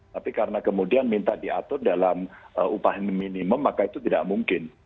tapi karena kemudian minta diatur dalam upah minimum maka itu tidak mungkin